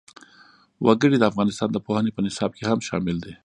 وګړي د افغانستان د پوهنې په نصاب کې هم شامل دي.